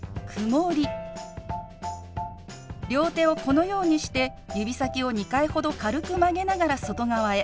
両手をこのようにして指先を２回ほど軽く曲げながら外側へ。